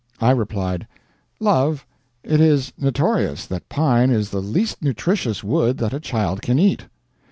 I replied: "Love, it is notorious that pine is the least nutritious wood that a child can eat."